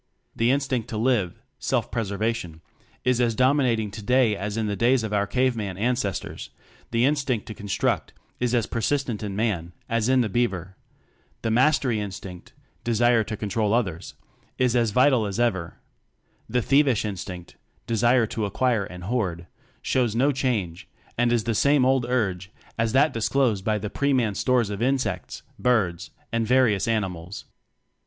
The Instinct to Live (self preser vation) is as dominating today as in the days of our cave man an cestors; the Instinct to Construct is as persistent in Man as in the beaver; the Mastery Instinct (desire to control others) is as vital as ever; the Thievish Instinct (desire to acquire and hoard) shows no change, and is the same old urge as that disclosed by the pre man stores of insects, birds and various animals.